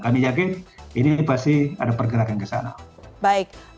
kami yakin ini pasti ada pergerakan ke sana